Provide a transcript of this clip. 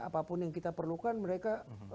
apapun yang kita perlukan mereka